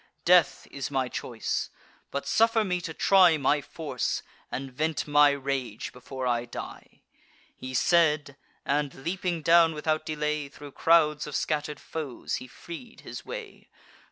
Death is my choice; but suffer me to try My force, and vent my rage before I die." He said; and, leaping down without delay, Thro' crowds of scatter'd foes he freed his way.